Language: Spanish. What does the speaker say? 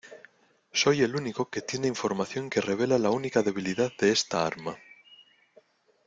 Soy el único que tiene información que revela la única debilidad de esta arma.